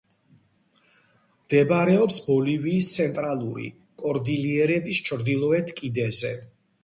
მდებარეობს ბოლივიის ცენტრალური კორდილიერის ჩრდილოეთ კიდეზე.